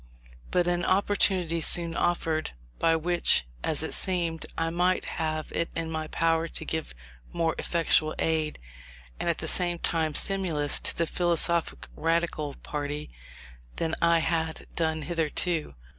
But an opportunity soon offered, by which, as it seemed, I might have it in my power to give more effectual aid, and at the same time, stimulus, to the "philosophic Radical" party, than I had done hitherto.